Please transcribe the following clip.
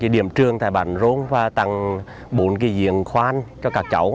điểm trường tại bản rôn và tặng bốn diện khoan cho các cháu